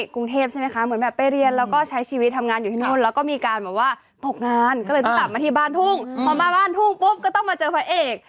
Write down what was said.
กลับมาที่บ้านทุ่งพอมาบ้านทุ่งปุ๊บก็ต้องมาเจอพระเอก